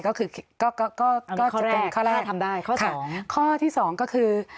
ก็คือข้อแรกข้อที่๒ก็คือ